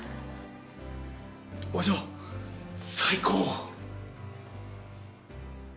お嬢、最高。